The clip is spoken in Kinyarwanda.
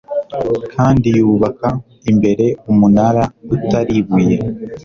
Kandi yubaka, imbere, umunara utari ibuye